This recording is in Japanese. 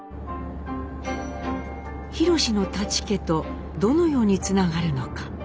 ひろしの舘家とどのようにつながるのか。